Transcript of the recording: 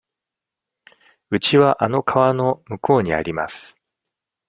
うちはあの川の向こうにあります。